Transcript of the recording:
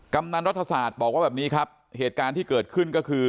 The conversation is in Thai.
กำนันรัฐศาสตร์บอกว่าแบบนี้ครับเหตุการณ์ที่เกิดขึ้นก็คือ